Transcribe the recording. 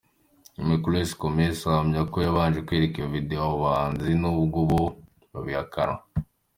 Nemulesi komosi ahamya ko yabanje kwereka iyo video abo bahanzi n’ubwo bo babihakana.